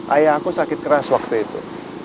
ayah aku sakit keras waktu itu